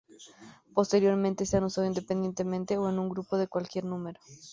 Posteriormente se han usado independientemente o en grupo de cualquier número.